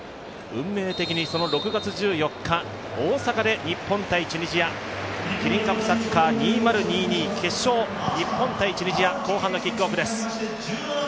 運命的に６月１４日、大阪で日本×チュニジア、キリンカップサッカー２０２２の決勝後半のキックオフです。